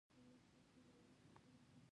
ایا مصنوعي ځیرکتیا ګټوره ده؟